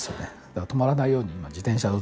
だから止まらないように今、自転車を